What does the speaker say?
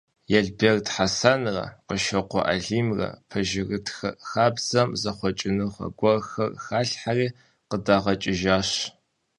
Елберд Хьэсэнрэ Кӏыщокъуэ Алимрэ пэжырытхэ хабзэм зэхъуэкӏыныгъэ гуэрхэр халъхэри къыдагъэкӏыжыгъащ.